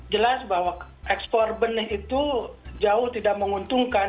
jelas bahwa ekspor benih itu jauh tidak menguntungkan